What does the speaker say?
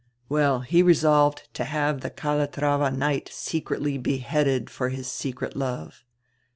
Well, he resolved to have die Calatrava knight secretly beheaded for his secret love."